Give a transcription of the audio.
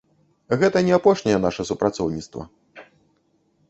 Гэта не апошняе наша супрацоўніцтва.